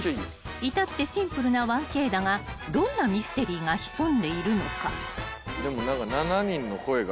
［至ってシンプルな１Ｋだがどんなミステリーが潜んでいるのか］